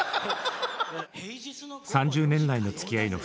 ３０年来のつきあいの２人。